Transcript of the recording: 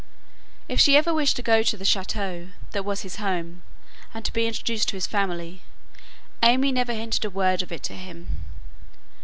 If she ever wished to go to the chëteau that was his home and to be introduced to his family, AimÄe never hinted a word of it to him.